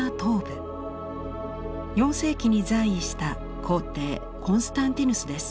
４世紀に在位した皇帝コンスタンティヌスです。